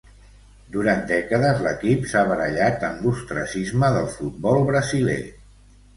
Durant dècades, l’equip s’ha barallat en l’ostracisme del futbol brasiler.